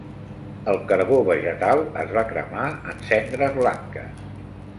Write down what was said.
El carbó vegetal es va cremar en cendres blanques.